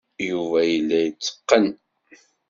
Yuba yella yetteqqen.